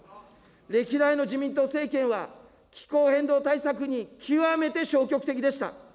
歴代の自民党政権は、気候変動対策に極めて消極的でした。